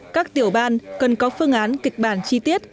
các tiểu ban cần có phương án kịch bản chi tiết